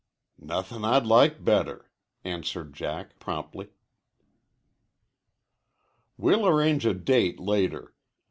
"Nothing I'd like better," answered Jack promptly. "We'll arrange a date later.